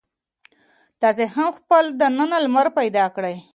تاسې هم خپل دننه لمر پیدا کړئ.